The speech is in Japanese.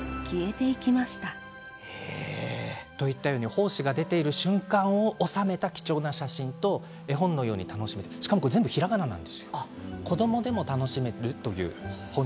胞子が出ている瞬間を収めた貴重な写真と絵本を楽しめてしかも、ひらがなで子どもでも楽しめるんです。